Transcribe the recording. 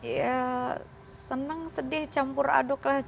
ya senang sedih campur aduk lah